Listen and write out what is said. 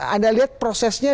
anda lihat prosesnya